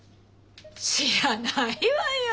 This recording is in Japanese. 知らないわよ！